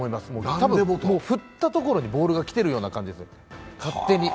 多分、振ったところにボールが来てるような感じです、勝手に。